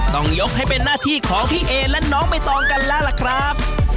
ต้องยกให้เป็นหน้าที่ของพี่เอและน้องใบตองกันแล้วล่ะครับ